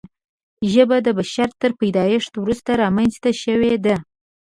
ژبه د بشر تر پیدایښت وروسته رامنځته شوې ده.